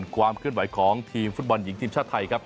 ความเคลื่อนไหวของทีมฟุตบอลหญิงทีมชาติไทยครับ